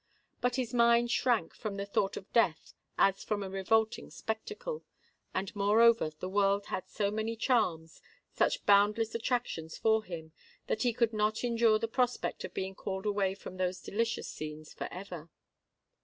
But his mind shrank from the thought of death as from a revolting spectacle; and moreover the world had so many charms—such boundless attractions for him—that he could not endure the prospect of being called away from those delicious scenes for ever!